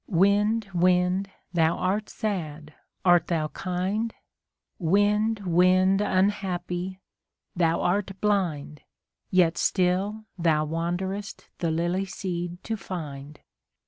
Windf wind! thou art sad, art thou kind? Wind, wind, unhappy ! thou art blind, Yet still thou wanderest the lily seed to find.